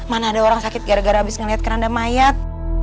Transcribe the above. mana ada orang sakit gara gara abis ngeliat kerendam ayat